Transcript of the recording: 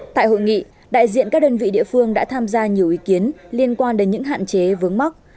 tại hội nghị đại diện các đơn vị địa phương đã tham gia nhiều ý kiến liên quan đến những hạn chế vướng mắt